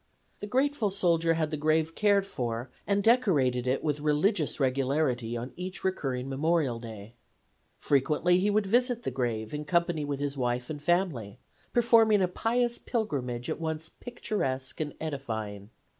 The grateful soldier had the grave cared for, and decorated it with religious regularity on each recurring Memorial Day. Frequently he would visit the grave in company with his wife and family, performing a pious pilgrimage at once picturesque and edifying.